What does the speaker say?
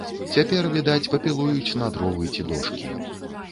Цяпер, відаць, папілуюць на дровы ці дошкі.